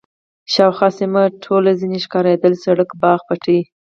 شاوخوا سیمه ټوله ځنې ښکارېدل، سړک، باغ، پټی.